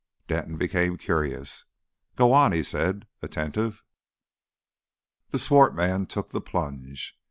Denton became curious. "Go on," he said, attentive. The swart man took the plunge.